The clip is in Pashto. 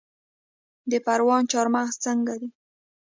د پروان چارمغز څنګه دي؟